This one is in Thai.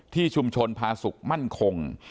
ที่ชุมชนพาสุขมั่นคง